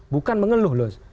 bukan mengeluh loh